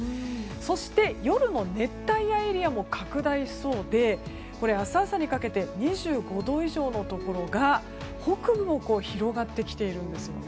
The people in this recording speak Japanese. そして夜の熱帯夜エリアも拡大しそうで明日朝にかけて２５度以上のところが北部も広がってきているんです。